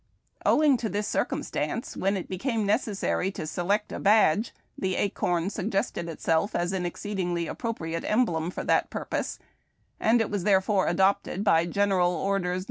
Owing to this circumstance, when it became necessary to select a badge, the acorn suggested itself as an exceedingly appropriate emblem for that purpose, and it was therefore adopted by General Orders No.